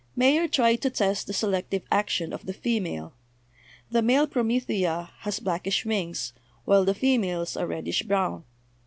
Mayer tried to test the selective action of the female. The male promethea has blackish wings, while the females are reddish brown.